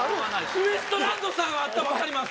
ウエストランドさんやったら分かります！